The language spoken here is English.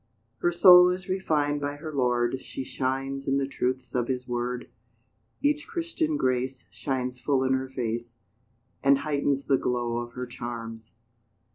Her soul is refined by her Lord, She shines in the truths of His Word: Each Christian grace Shines full in her face, And heightens the glow of her charms.